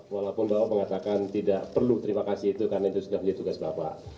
walaupun bapak mengatakan tidak perlu terima kasih itu karena itu sudah menjadi tugas bapak